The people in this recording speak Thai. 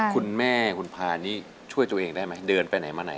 คุณแม่คุณพานี่ช่วยตัวเองได้ไหมเดินไปไหนมาไหน